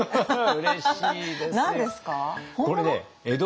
うれしいです！